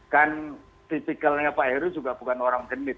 kan kritikalnya pak heru juga bukan orang genit